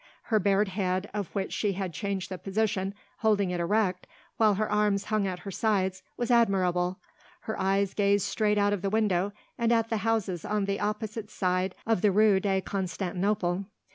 Her bared head, of which she had changed the position, holding it erect, while her arms hung at her sides, was admirable; her eyes gazed straight out of the window and at the houses on the opposite side of the Rue de Constantinople.